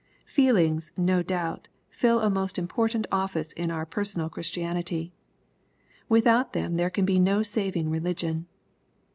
Feelings, no doubt, fill a most important office in our personal Christianity. Without them there can be no saving religion.